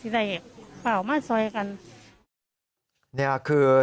ด้วยแล้วเขาเห็นเรื่องของเขา